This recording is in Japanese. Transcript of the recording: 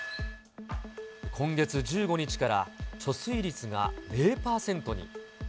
今月１５日から貯水率が０％に。